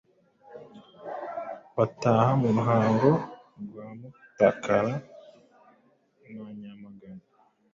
bataha mu Ruhango rwa Mutakara na Nyamagana,